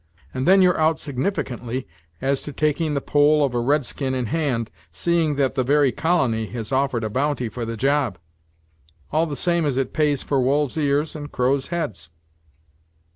And then you're out significantly, as to taking the poll of a red skin in hand, seeing that the very colony has offered a bounty for the job; all the same as it pays for wolves' ears and crows' heads."